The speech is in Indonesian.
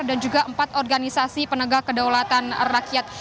dan juga empat organisasi penegak kedaulatan rakyat